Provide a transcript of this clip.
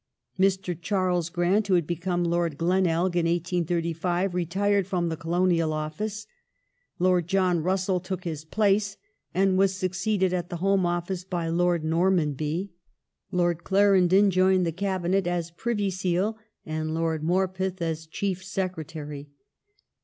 Mr. Charles Grant, who had become Lord Glenelg in 1835, retired from the Colonial Office, Lord John Russell took his place, and was succeeded at the Home Office by Lord Normanby ; Lord Clarendon joined the Cabinet as Privy Seal, and I^rd Morpeth as Chief Secretary.